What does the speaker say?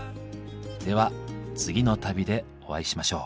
では次の旅でお会いしましょう。